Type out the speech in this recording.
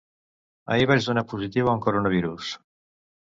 Ahir vaig donar positiu en coronavirus.